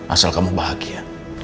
asal kamu bahagia